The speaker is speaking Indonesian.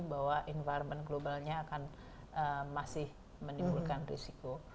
bahwa environment globalnya akan masih menimbulkan risiko